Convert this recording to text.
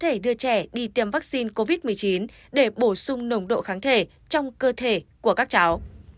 có thể đưa trẻ đi tiêm vaccine covid một mươi chín để bổ sung nồng độ kháng thể trong cơ thể của các cháu